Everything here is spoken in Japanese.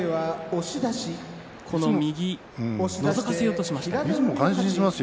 右をのぞかせようとしました。